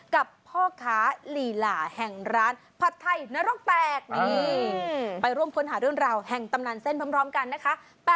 กับพ่อค้าลีลาแห่งร้านผัดไทยนรกแตกนี่ไปร่วมค้นหาเรื่องราวแห่งตำนานเส้นพร้อมกันนะคะ